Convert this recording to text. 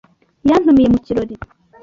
yantumiye mu kirori